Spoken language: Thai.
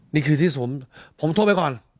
นี่คือที่ผมโทรไปก่อน